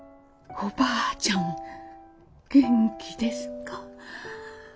「おばあちゃん元気ですか？」。